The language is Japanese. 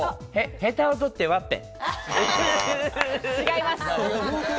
ヘタを取って、ワッペン。